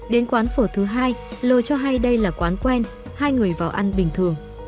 đến quán phở thứ hai l cho hay đây là quán quen hai người vào ăn bình thường